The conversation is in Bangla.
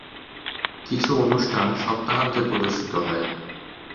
কিছু অনুষ্ঠান সপ্তাহান্তে প্রদর্শিত হয়।